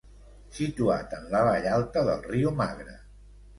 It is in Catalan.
Situat en la vall alta del riu Magre.